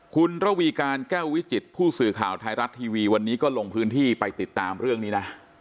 คุณระวีการแก้ววิจิตผู้สื่อข่าวไทยรัฐทีวีวันนี้ก็ลงพื้นที่ไปติดตามเรื่องนี้นะ